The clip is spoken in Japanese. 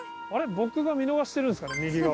僕が見逃してるんですかね右側。